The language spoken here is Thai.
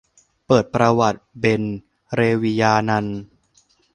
เปิดประวัติ เบญ เรวิญานันท์